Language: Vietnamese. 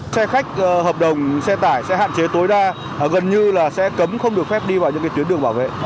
xe khách hợp đồng xe tải sẽ hạn chế tối đa gần như là sẽ cấm không được phép đi vào những tuyến đường bảo vệ